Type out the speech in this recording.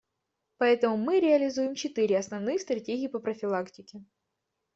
Поэтому мы реализуем четыре основные стратегии по профилактике.